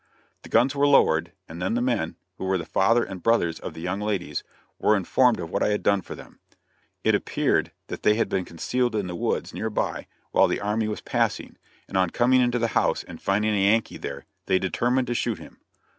The guns were lowered, and then the men, who were the father and brothers of the young ladies, were informed of what I had done for them. It appeared that they had been concealed in the woods near by while the army was passing, and on coming into the house and finding a Yankee there, they determined to shoot him.